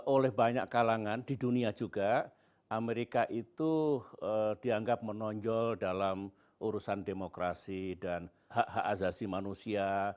oleh banyak kalangan di dunia juga amerika itu dianggap menonjol dalam urusan demokrasi dan hak hak azasi manusia